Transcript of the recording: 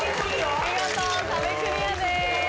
見事壁クリアです。